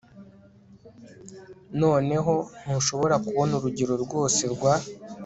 noneho ntushobora kubona urugero rwose rwa